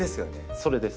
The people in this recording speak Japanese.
それです。